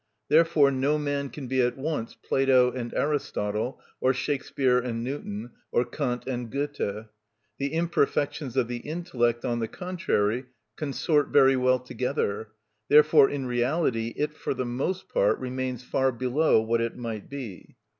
Therefore no man can be at once Plato and Aristotle, or Shakspeare and Newton, or Kant and Goethe. The imperfections of the intellect, on the contrary, consort very well together; therefore in reality it for the most part remains far below what it might be.